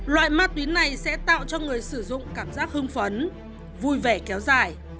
loại ma túy này sẽ tạo cho người sử dụng cảm giác hưng phấn vui vẻ kéo dài